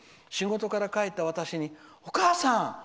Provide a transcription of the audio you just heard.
「仕事から帰った私にお母さん！